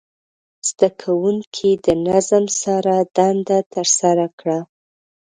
زده کوونکي د نظم سره دنده ترسره کړه.